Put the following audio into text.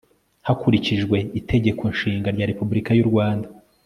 hakurikijwe itegeko nshinga rya repubulika y'u rwanda